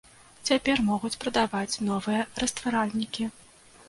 Цяпер могуць прадаваць новыя растваральнікі.